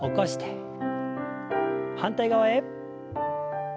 反対側へ。